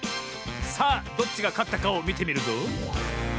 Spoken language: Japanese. さあどっちがかったかをみてみるぞ。